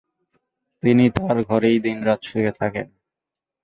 তিনি তাঁর ঘরেই দিনরাত শুয়ে থাকেন।